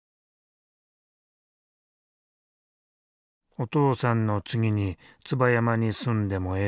「お父さんの次に椿山に住んでもええで」。